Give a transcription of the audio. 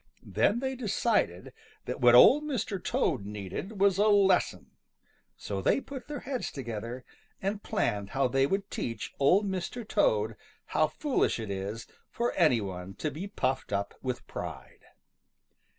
Then they decided that what Old Mr. Toad needed was a lesson, so they put their heads together and planned how they would teach Old Mr. Toad how foolish it is for any one to be puffed up with pride.